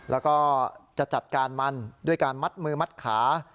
แล้วก็จะจัดการมันด้วยการมัดมือมัดขา